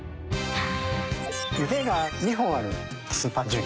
腕が２本あるスーパー重機。